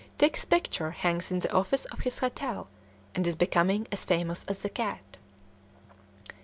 Tix's picture hangs in the office of his hotel, and is becoming as famous as the cat.